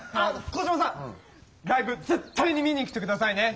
コジマさんライブ絶対に見に来てくださいね。